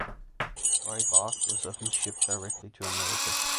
Dry bark was often shipped directly to America.